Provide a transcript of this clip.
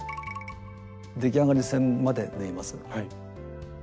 出来上がり線まで縫います。